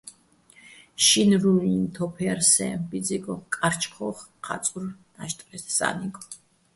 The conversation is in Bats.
შინლულილიჼ თოფ ჲარ სე ბიძიგო, კარჩხოხ ჴა́წურ ნაჟტრე სა́ნიგო.